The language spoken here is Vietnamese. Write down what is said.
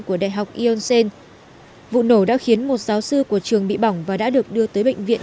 của đại học yonsen vụ nổ đã khiến một giáo sư của trường bị bỏng và đã được đưa tới bệnh viện